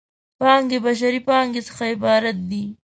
پانګې بشري پانګې څخه عبارت دی.